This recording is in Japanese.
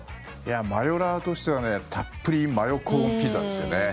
マヨラーとしてはたっぷりマヨコーンピザですよね。